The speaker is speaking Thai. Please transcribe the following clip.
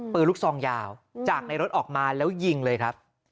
ปืนลูกซองยาวจากในรถออกมาแล้วยิงเลยครับ